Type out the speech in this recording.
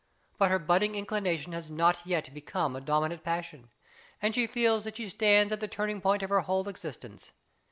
But her budding inclination has not yet become a dominant passion, and she feels that she stands at the turning point of her whole existence.